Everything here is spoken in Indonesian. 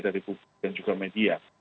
dan juga media